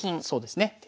そうですね。